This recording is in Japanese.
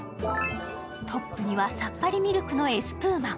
トップにはさっぱりミルクのエスプーマ。